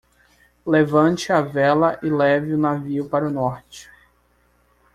Levante a vela e leve o navio para o norte.